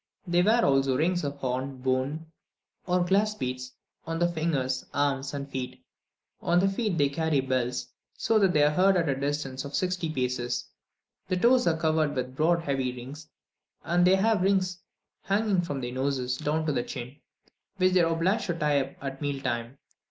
They wear also rings of horn, bone, or glass beads, on the fingers, arms, and feet. On the feet they carry bells, so that they are heard at a distance of sixty paces; the toes are covered with broad heavy rings, and they have rings hanging from their noses down to the chin, which they are obliged to tie up at meal time.